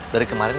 dari kelas kelas